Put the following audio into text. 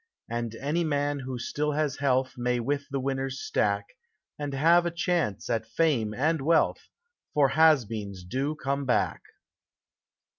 And any man who still has health may with the winners stack, and have a chance at fame and wealth for has beens do come back.